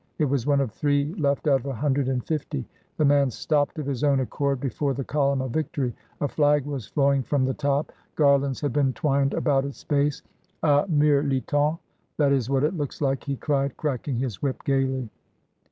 It was one of three left out of a hundred and fifty. The man stopped of his own accord before the Column of Victory. A flag was flowing from the top, garlands had been twined about its base. "A mirlitony that is what it looks like," he cried, cracking his whip gaily.